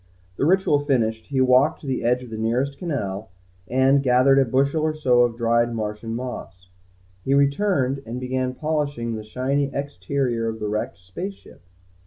The ritual finished, he walked to the edge of the nearest canal, and gathered a bushel or so of dried Martian moss. He returned and began polishing the shiny exterior of the wrecked space ship.